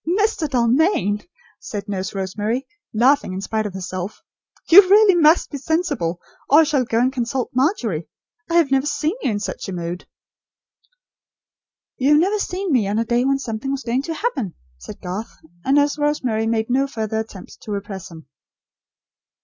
'" "Mr. Dalmain," said Nurse Rosemary, laughing, in spite of herself, "you really must be sensible, or I shall go and consult Margery. I have never seen you in such a mood." "You have never seen me, on a day when something was going to happen," said Garth; and Nurse Rosemary made no further attempt to repress him.